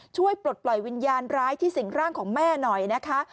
ปลดปล่อยวิญญาณร้ายที่สิ่งร่างของแม่หน่อยนะคะ